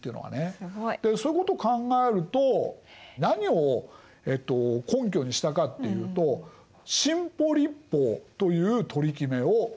すごい！でそういうことを考えると何を根拠にしたかっていうと新補率法という取り決めを使いました。